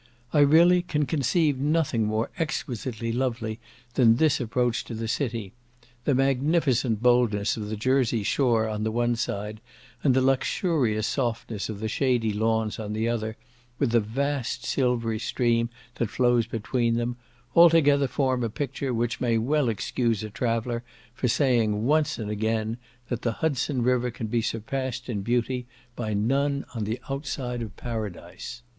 I really can conceive nothing more exquisitely lovely than this approach to the city. The magnificent boldness of the Jersey shore on the one side, and the luxurious softness of the shady lawns on the other, with the vast silvery stream that flows between them, altogether form a picture which may well excuse a traveller for saying, once and again, that the Hudson river can be surpassed in beauty by none on the outside of Paradise.